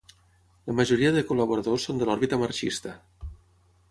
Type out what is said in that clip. La majoria de col·laboradors són de l'òrbita marxista.